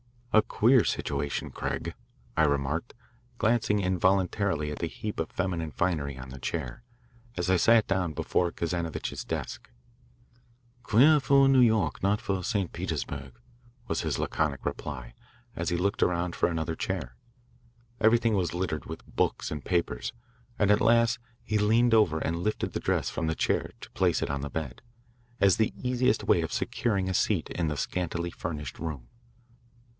"A queer situation, Craig," I remarked, glancing involuntarily at the heap of feminine finery on the chair, as I sat down before Kazanovitch's desk. "Queer for New York; not for St. Petersburg, was his laconic reply, as he looked around for another chair. Everything was littered with books and papers, and at last he leaned over and lifted the dress from the chair to place it on the bed, as the easiest way of securing a seat in the scantily furnished room.